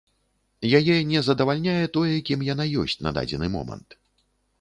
Яе не задавальняе тое, кім яна ёсць на дадзены момант.